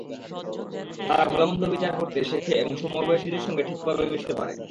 তারা ভালো-মন্দ বিচার করতে শেখে এবং সমবয়সীদের সঙ্গে ঠিকভাবে মিশতে পারে।